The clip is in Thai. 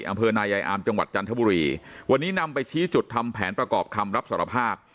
อำเภอนายายอามจังหวัดจันทบุรีวันนี้นำไปชี้จุดทำแผนประกอบคำรับสารภาพ